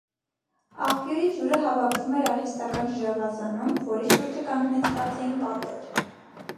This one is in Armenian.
Աղբյուրի ջուրը հավաքվում էր արհեստական ջրավազանում, որի շուրջը կանգնեցված էին պատեր։